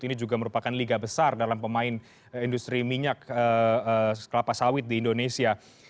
ini juga merupakan liga besar dalam pemain industri minyak kelapa sawit di indonesia